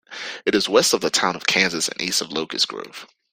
It is west of the town of Kansas and east of Locust Grove.